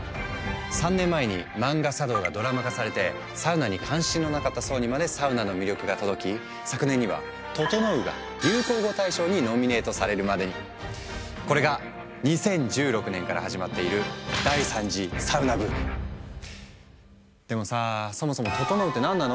３年前に漫画「サ道」がドラマ化されてサウナに関心のなかった層にまでサウナの魅力が届き昨年にはこれが２０１６年から始まっているでもさ「そもそもととのうって何なの？」